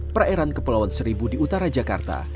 perairan kepulauan seribu di utara jakarta